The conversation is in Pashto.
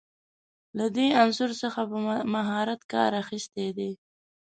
له دې عنصر څخه په مهارت کار اخیستی دی.